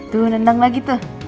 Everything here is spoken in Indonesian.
tuh nendang lagi tuh